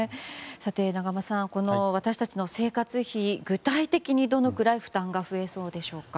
永濱さん、私たちの生活費具体的にどのくらい負担が増えそうでしょうか。